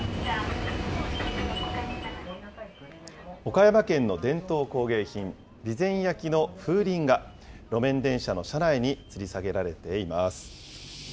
岡山県の伝統工芸品、備前焼の風鈴が、路面電車の車内につり下げられています。